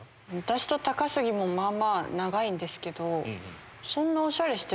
私と高杉もまぁまぁ長いんですけど。